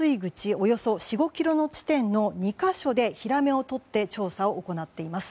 およそ４５ｋｍの地点の２か所でヒラメをとって調査を行っています。